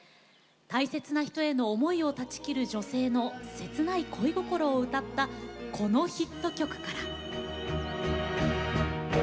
大切な思いを断ち切る女性の切ない恋心を歌ったこのヒット曲から。